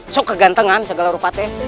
suka gantengan segala rupanya